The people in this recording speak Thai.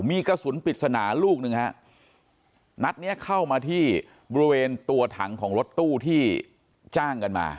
มีกระสุนปริศนาลูกหนึ่งฮะนัดเนี้ยเข้ามาที่บริเวณตัวถังของรถตู้ที่จ้างกันมา